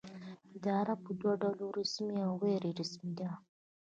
اداره په دوه ډوله رسمي او غیر رسمي ده.